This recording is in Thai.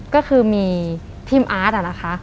ก็คือมีทีมอาร์ตนะคะ